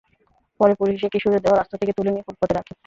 পরে পুলিশ এসে কিশোরের দেহ রাস্তা থেকে তুলে নিয়ে ফুটপাতে রাখে।